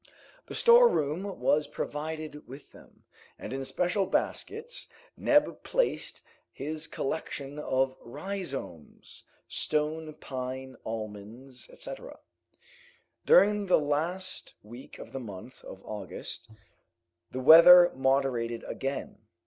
The storeroom was provided with them, and in special baskets Neb placed his collection of rhizomes, stone pine almonds, etc. During the last week of the month of August the weather moderated again.